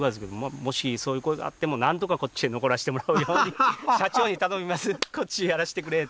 もしそういう声があってもなんとかこっちへ残らしてもらうように直談判して。